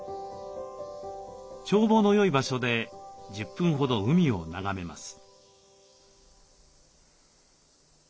眺望の良い場所で１０分ほど海を眺めます。